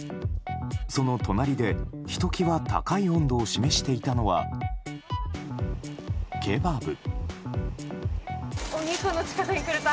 その隣で、ひときわ高い温度を示していたのはケバブ。